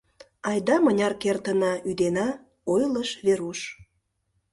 — Айда мыняр кертына, ӱдена, — ойлыш Веруш.